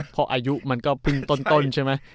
เพราะอายุมันก็เพิ่งต้นใช่ไหม